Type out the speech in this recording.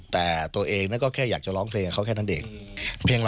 แต่ตัวเองแค่จะลองเพลงแค่นั้นเอง